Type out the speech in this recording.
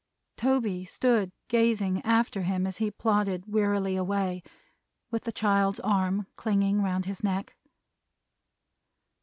Toby stood gazing after him as he plodded wearily away, with the child's arm clinging round his neck.